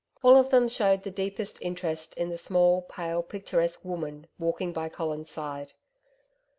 All of them showed the deepest interest in the small, pale, picturesque woman walking by Colin's side.